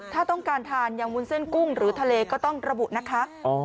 ถ้าต้องการทานอย่างวุ้นเส้นกุ้งหรือทะเลก็ต้องระบุนะคะ